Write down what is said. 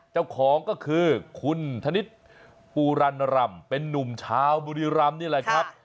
เจ้าของก็คือคุณธนิษฐ์ปูรันรำเป็นนุ่มชาวบุรีรำนี่แหละครับ